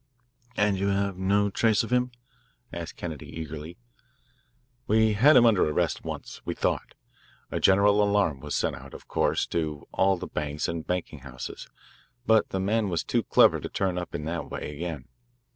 "And you have no trace of him?" asked Kennedy eagerly. "We had him under arrest once we thought. A general alarm was sent out, of course, to all the banks and banking houses. But the man was too clever to turn up in that way again.